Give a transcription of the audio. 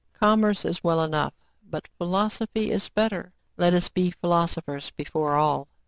Commerce is well enough ; but philosophy is better. Let us be philosophers before all